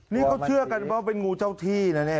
นี่เขาเชื่อกันว่าเป็นงูเจ้าที่นะเนี่ย